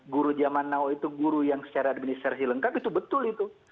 guru zaman now itu guru yang secara administrasi lengkap itu betul itu